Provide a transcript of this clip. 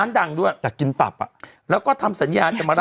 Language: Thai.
ลูกค้าเท